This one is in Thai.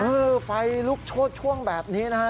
เออไฟลุกชวงแบบนี้นะฮะ